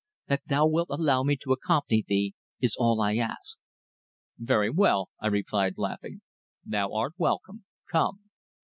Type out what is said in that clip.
That thou wilt allow me to accompany thee, is all I ask." "Very well," I replied, laughing. "Thou art welcome. Come."